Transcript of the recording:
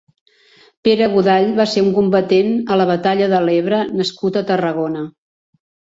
Pere Godall va ser un combatent a la batalla de l'Ebre nascut a Tarragona.